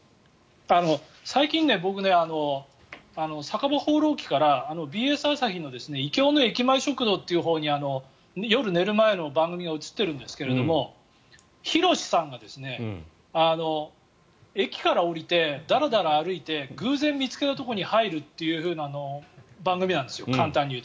最近僕ね、「酒場放浪記」からＢＳ朝日の「異郷の駅前食堂」に移って夜、寝る前の番組が移っているんですけどひろしさんが駅から降りてだらだら歩いて偶然見つけたところに入るという番組なんですよ。